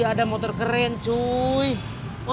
kok kamu kerja di sini